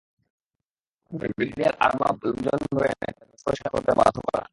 পক্ষান্তরে ব্রিগেডিয়ার আরবাব লোকজন ধরে এনে তাদের রাস্তা পরিষ্কার করাতে বাধ্য করান।